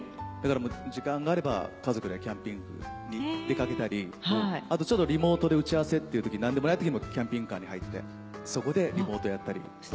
だから時間があれば家族でキャンピングに出掛けたりあとリモートで打ち合わせっていうとき何でもないときもキャンピングカーに入ってそこでリモートやったり。